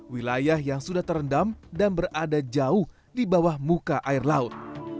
wilayah yang sudah terendam dan berada jauh di bawah muka air laut